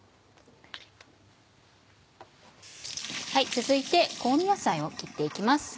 続いて香味野菜を切って行きます。